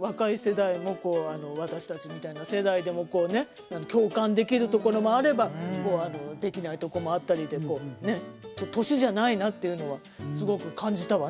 若い世代も私たちみたいな世代でもこうね共感できるところもあればできないとこもあったりでこうね年じゃないなっていうのはすごく感じたわね